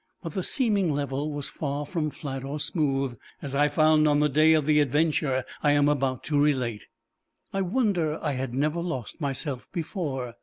But the seeming level was far from flat or smooth, as I found on the day of the adventure I am about to relate. I wonder I had never lost myself before.